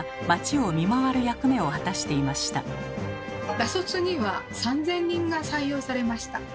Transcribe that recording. ら卒には３，０００人が採用されました。